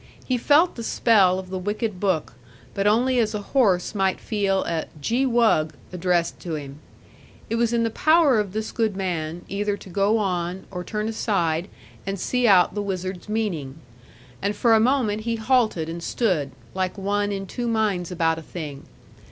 He felt the spell of the wicked book, but only as a horse might feel a 'gee wug!' addressed to him. It was in the power of this good man, either to go on, or turn aside, and see out the wizard's meaning. And for a moment he halted and stood, like one in two minds about a thing.